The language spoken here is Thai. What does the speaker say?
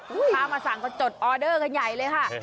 ถ้ามาสั่งก็จดออเดอร์กันใหญ่เลยค่ะ